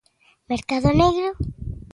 Mercado negro?